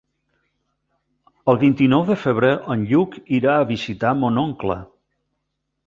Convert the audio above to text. El vint-i-nou de febrer en Lluc irà a visitar mon oncle.